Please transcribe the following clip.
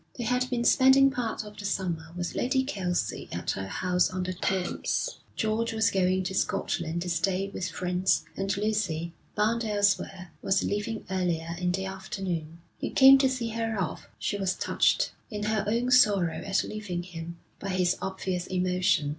They had been spending part of the summer with Lady Kelsey at her house on the Thames. George was going to Scotland to stay with friends, and Lucy, bound elsewhere, was leaving earlier in the afternoon. He came to see her off. She was touched, in her own sorrow at leaving him, by his obvious emotion.